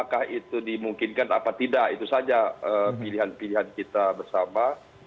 apakah itu dimungkinkan apa tidak itu saja pilihan pilihan kita bersama